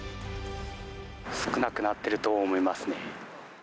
少なくなってると思いますね。